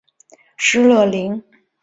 施乐灵。